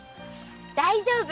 大丈夫。